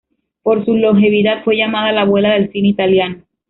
Por su longevidad fue llamada "la abuela del cine italiano".